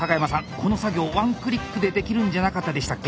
この作業ワンクリックでできるんじゃなかったでしたっけ？